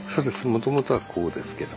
もともとはこうですけど。